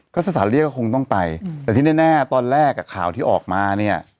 ก็สถานเรียกก็คงต้องไปแต่ที่แน่ตอนแรกอ่ะข่าวที่ออกมาเนี่ย